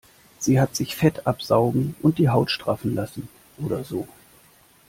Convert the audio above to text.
Sie hat sich Fett absaugen und die Haut straffen lassen oder so.